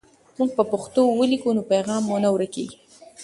موږ په پښتو ولیکو نو پیغام مو نه ورکېږي.